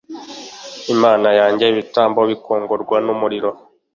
imana yanjye ibitambo bikongorwa n umuriro